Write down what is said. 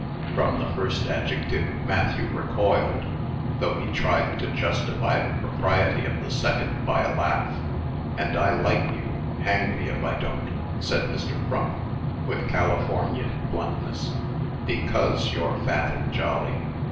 From the first adjective Matthew recoiled; though he tried to justify the propriety of the second by a laugh. "And I like you hang me if I don't!" said Mr. Frump, with California bluntness, "because you're fat and jolly.